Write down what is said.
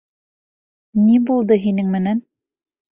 Ни булды һинең менән?